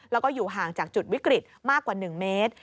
แล้วก็อยู่ห่างจากจุดวิกฤตมากกว่า๑เมตร